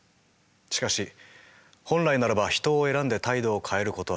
しかし本来ならば人を選んで態度を変えることは好ましくありません。